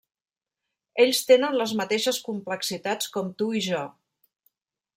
Ells tenen les mateixes complexitats com tu i jo.